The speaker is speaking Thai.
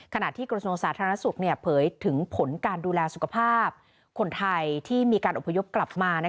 กระทรวงสาธารณสุขเผยถึงผลการดูแลสุขภาพคนไทยที่มีการอพยพกลับมา